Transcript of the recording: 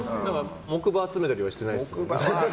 木馬集めたりはしてないですか？